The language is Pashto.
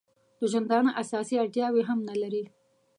د ژوندانه اساسي اړتیاوې هم نه لري.